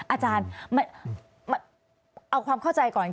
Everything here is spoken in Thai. อาจารย์เอาความเข้าใจก่อน